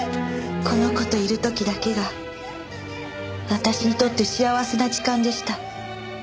この子といる時だけが私にとって幸せな時間でした。